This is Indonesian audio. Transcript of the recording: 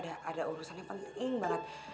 ada urusan yang penting banget